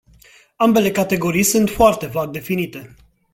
Ambele categorii sunt foarte vag definite.